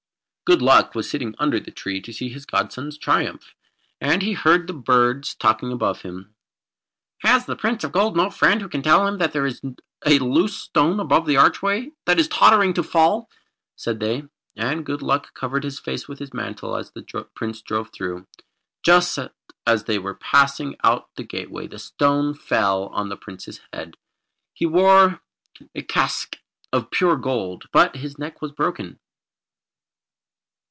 Good Luck was sitting under the tree to see his godson's triumph, and he heard the birds talking above him. "Has the Prince of Gold no friend who can tell him that there is a loose stone above the archway that is tottering to fall?" said they. And Good Luck covered his face with his mantle as the Prince drove through. Just as they were passing out of the gateway the stone fell on to the Prince's head. He wore a casque of pure gold, but his neck was broken.